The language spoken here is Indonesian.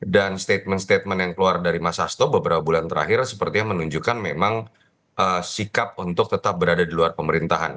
dan statement statement yang keluar dari mas hasto beberapa bulan terakhir sepertinya menunjukkan memang sikap untuk tetap berada di luar pemerintahan